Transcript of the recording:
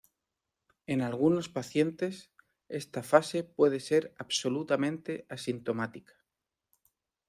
En algunos pacientes, esta fase puede ser absolutamente asintomática.